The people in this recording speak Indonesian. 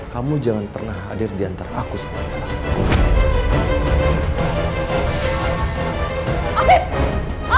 kamu jangan pernah hadir diantara aku sama bella